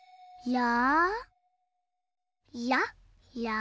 や！